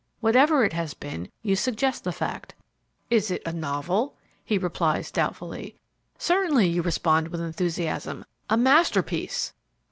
Whatever it has been, you suggest the fact. "It is a novel?" He replies doubtfully: "Certainly," you respond with enthusiasm. "A masterpiece."